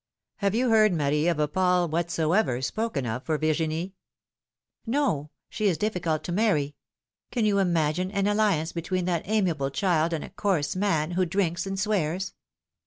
Have you heard, Marie, of a Paul whatsoever spoken of for Virginie?" No ! She is difficult to marry. Can you imagine an alliance between that amiable child and a coarse man, who drinks and swears?"